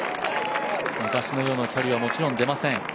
昔のようなキャリーはもちろん出ません。